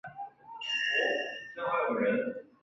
迥澜风雨桥的历史年代为明。